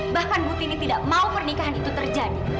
bahkan putini tidak mau pernikahan itu terjadi